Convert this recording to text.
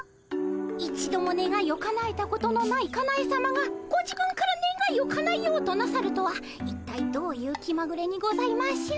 一度もねがいをかなえたことのないかなえさまがご自分からねがいをかなえようとなさるとは一体どういう気まぐれにございましょう。